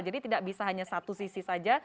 jadi tidak bisa hanya satu sisi saja